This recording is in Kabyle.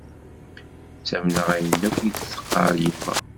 Ttamneɣ ayen akk i d-teqqar yemma.